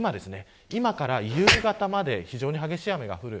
今から夕方まで非常に激しい雨が降る。